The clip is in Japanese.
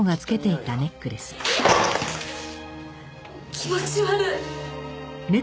気持ち悪い。